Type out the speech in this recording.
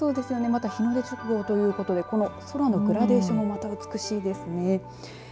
また、日の出直後ということで空のグラデーションもまた美しいですね。